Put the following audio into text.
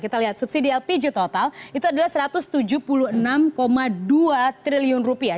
kita lihat subsidi lpg total itu adalah satu ratus tujuh puluh enam dua triliun rupiah